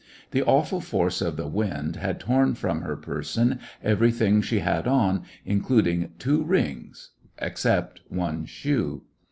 The awful force of the wind had torn from her person everything she had on, including two rings, except one shoe.